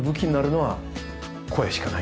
はい。